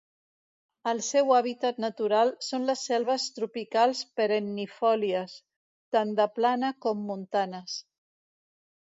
El seu hàbitat natural són les selves tropicals perennifòlies, tant de plana com montanes.